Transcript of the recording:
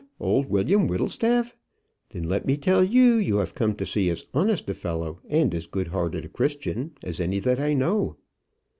old William Whittlestaff? Then, let me tell you, you have come to see as honest a fellow, and as good hearted a Christian, as any that I know."